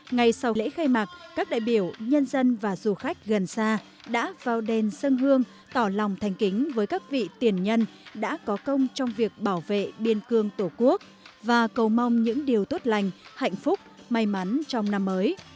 ngay sau lễ khai mạc các đại biểu nhân dân và du khách gần xa đã vào đền sân hương tỏ lòng thành kính với các vị tiền nhân đã có công trong việc bảo vệ biên cương tổ quốc và cầu mong những điều tốt lành hạnh phúc may mắn trong năm mới